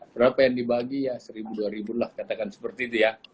berapa yang dibagi ya seribu dua ribu lah katakan seperti itu ya